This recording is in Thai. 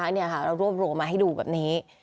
เรารวบรวมมาให้ดูแบบนี้